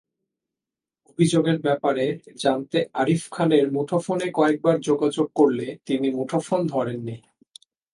অভিযোগের ব্যাপারে জানতে আরিফ খানের মুঠোফোনে কয়েকবার যোগাযোগ করলে তিনি মুঠোফোন ধরেননি।